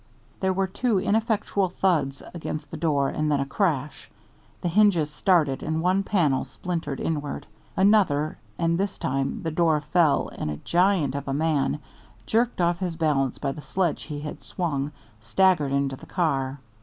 There were two ineffectual thuds against the door and then a crash. The hinges started and one panel splintered inward. Another, and this time the door fell and a giant of a man, jerked off his balance by the sledge he had swung, staggered into the car.